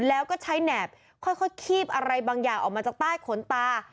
แล้วก็ใช้แหนบค่อยคีบอะไรบางอย่างออกมาจากใต้ขนตา